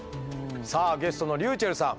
さあゲストのｒｙｕｃｈｅｌｌさん